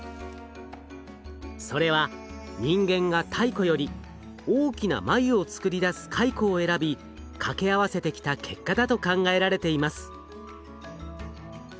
それは人間が太古より大きな繭を作り出すカイコを選び掛け合わせてきた結果だと考えられています。